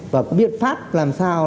và cái biện pháp làm sao